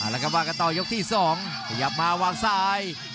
แล้วก็ว่ากันต่อยกที่๒ขยับมาวางซ้าย